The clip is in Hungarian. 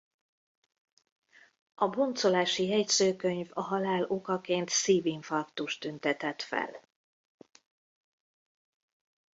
A boncolási jegyzőkönyv a halál okaként szívinfarktust tüntetett fel.